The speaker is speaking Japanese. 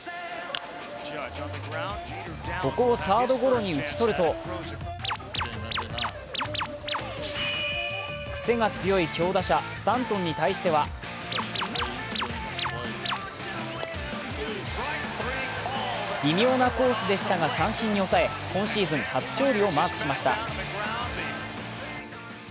ここをサードゴロに打ち取ると癖が強い強打者、スタントンに対しては微妙なコースでしたが三振に抑え今シーズン初勝利をマークしました。